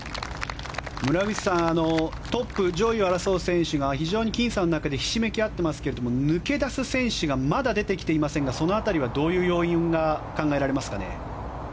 村口さんトップ上位を争う選手たちが非常に僅差の中でひしめき合っていますけれども抜け出す選手がまだ出てきていませんがその辺りはどういう要因が考えられますかね。